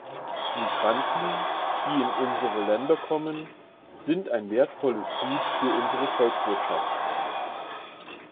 Migranten, die in unsere Länder kommen, sind ein wertvolles Gut für unsere Volkswirtschaften.